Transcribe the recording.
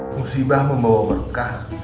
musibah membawa berkah